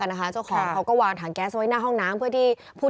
นะคะเจ้าของเขาก็วางถังแก๊สไว้หน้าห้องน้ำเพื่อที่พูด